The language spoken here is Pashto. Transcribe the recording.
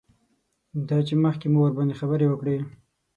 دا چې مخکې مو ورباندې خبرې وکړې.